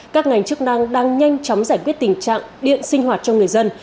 các ngành chức năng đang nhanh chóng giải quyết tình trạng điện sinh hoạt cho người dân